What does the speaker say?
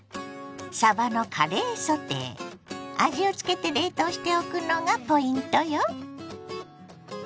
味をつけて冷凍しておくのがポイントよ。